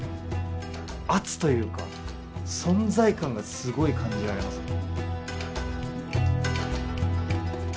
圧というか存在感がすごい感じられますね。